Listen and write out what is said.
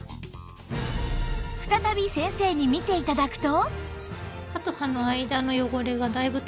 再び先生に見て頂くと